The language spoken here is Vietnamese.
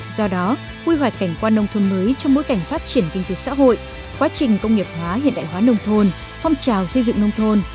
do đó quy hoạch cảnh quan nông thôn mới trong bối cảnh phát triển kinh tế xã hội quá trình công nghiệp hóa hiện đại hóa nông thôn phong trào xây dựng nông thôn